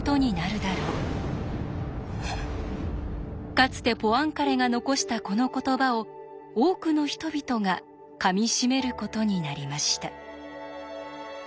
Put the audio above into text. かつてポアンカレが残したこの言葉を多くの人々がかみしめることになりました。